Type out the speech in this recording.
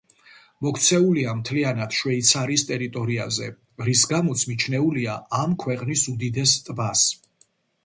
მოქცეულია მთლიანად შვეიცარიის ტერიტორიაზე, რის გამოც მიჩნეულია ამ ქვეყნის უდიდეს ტბას.